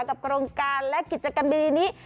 โครงการและกิจกรรมดีนี้